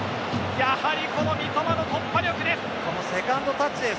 やはり三笘の突破力です。